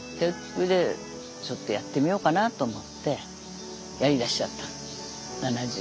それでちょっとやってみようかなと思ってやりだしちゃった７０で。